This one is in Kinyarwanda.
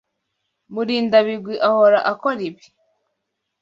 Murindabigwi ahora akora ibi.